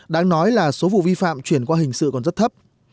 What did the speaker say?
đáng nói là số vụ vi phạm chuyển qua hình sự còn rất thấp